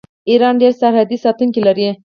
ایران ډیر سرحدي ساتونکي لري.